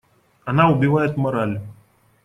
Она убивает мораль.